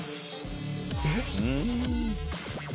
えっ？